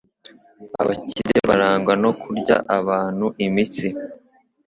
Abakire barangwa no kurya abantu imitsi.